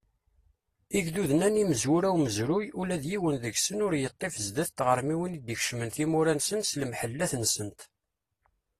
Igduden-a n imezwura umezruy, ula d yiwen deg-sen ur yeṭṭif sdat tɣermiwin i d-ikecmen timura-nsen s lemḥellat-nsent!